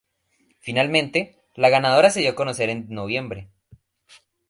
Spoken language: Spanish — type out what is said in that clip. Finalmente, la ganadora se dio a conocer en noviembre.